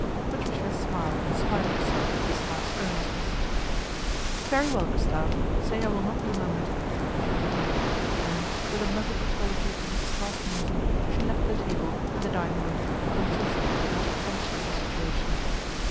Patricia smiled in spite of herself at Gustave's earnestness. ' Very well, Gustave, say I will not be a mo ment," she replied and, with a muttered apology to Mrs. Craske Morton, she left the table and the dining room, conscious of the dramatic tension of the situation.